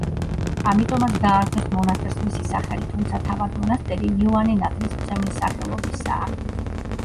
ამიტომაც დაარქვეს მონასტერს მისი სახელი, თუმცა თავად მონასტერი იოანე ნათლისმცემლის სახელობისაა.